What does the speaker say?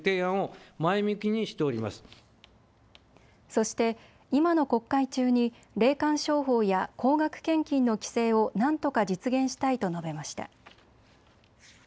そして今の国会中に霊感商法や高額献金の規制をなんとか実現したいと述べました。